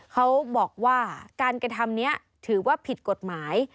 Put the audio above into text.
เขาบอกว่าการกระทำนี้ถือว่าผิดกฎหมาย